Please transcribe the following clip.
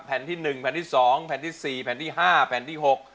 แผ่นที่๑แผ่นที่๒แผ่นที่๔แผ่นที่๕แผ่นที่๖